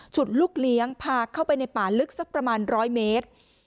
ลูกเลี้ยงพาเข้าไปในป่าลึกสักประมาณ๑๐๐เมตร